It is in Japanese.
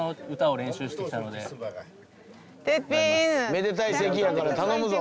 めでたい席やから頼むぞ。